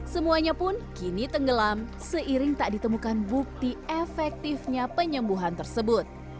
semuanya pun kini tenggelam seiring tak ditemukan bukti efektifnya penyembuhan tersebut